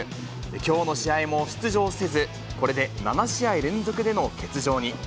きょうの試合も出場せず、これで７試合連続での欠場に。